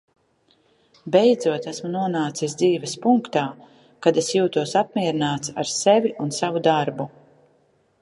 Beidzot esmu nonācis dzīves punktā, kad es jūtos apmierināts ar sevi un savu darbu.